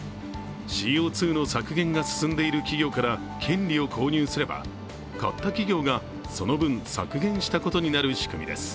ＣＯ２の削減が進んでいる企業から権利を購入すれば、買った企業がその分、削減したことになる仕組みです。